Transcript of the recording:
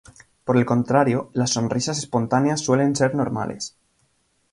Por el contrario, las sonrisas espontáneas suelen ser normales.